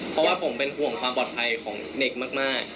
เพราะว่าผมเป็นห่วงความปลอดภัยของเด็กมาก